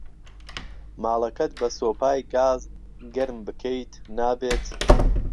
ماڵەکەت بە سۆپای گاز گەرم بکەیت.نابێت